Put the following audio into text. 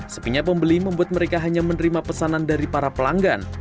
sepinya pembeli membuat mereka hanya menerima pesanan dari para pelanggan